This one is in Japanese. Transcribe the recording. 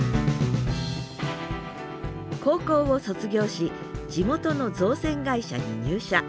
高校を卒業し地元の造船会社に入社。